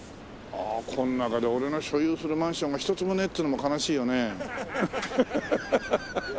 ああこの中で俺の所有するマンションが一つもねえっつうのも悲しいよね。